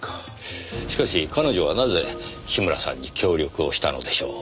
しかし彼女はなぜ樋村さんに協力をしたのでしょう？